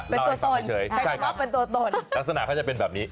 เป็นตัวตนเพื่อนเขาเพื่อนตัวตนจ้ะครับลักษณะอาจจะเป็นแบบนี้